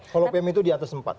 holopem itu diatas empat